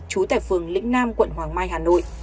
trú tại phường lĩnh nam quận hoàng mai hà nội